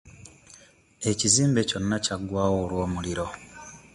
Ekizimbe kyonna kya ggwawo olw'omuliro.